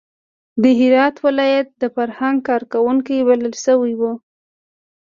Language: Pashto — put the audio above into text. د هرات ولایت د فرهنګ کار کوونکي بلل شوي وو.